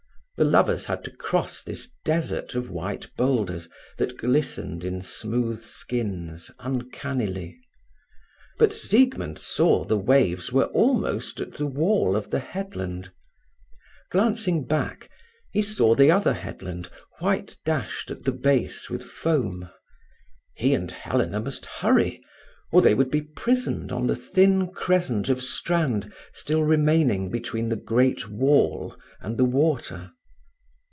The lovers had to cross this desert of white boulders, that glistened in smooth skins uncannily. But Siegmund saw the waves were almost at the wall of the headland. Glancing back, he saw the other headland white dashed at the base with foam. He and Helena must hurry, or they would be prisoned on the thin crescent of strand still remaining between the great wall and the water.